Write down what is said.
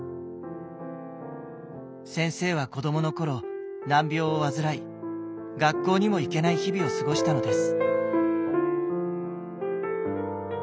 先生は子供の頃難病を患い学校にも行けない日々を過ごしたのです。